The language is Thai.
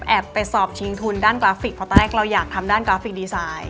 ไปสอบชิงทุนด้านกราฟิกเพราะตอนแรกเราอยากทำด้านกราฟิกดีไซน์